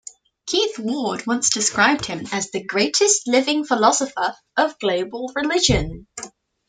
Keith Ward once described him as the greatest living philosopher of global religion.